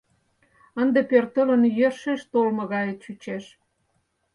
Ынде пӧртылын, йӧршеш толмо гае чучеш.